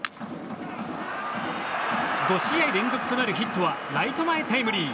５試合連続となるヒットはライト前タイムリー。